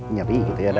nyeri gitu ya